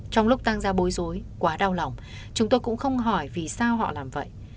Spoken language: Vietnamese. trong lúc tăng ra bối rối quá đau lòng chúng tôi cũng không hỏi vì sao họ làm vậy